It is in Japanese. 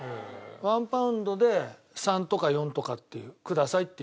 １ポンドで３とか４とかっていうくださいっていう。